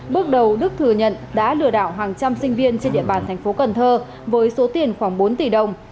bước đầu đức thừa nhận đã lừa đảo hàng trăm sinh viên trên địa bàn thành phố cần thơ với số tiền khoảng bốn tỷ đồng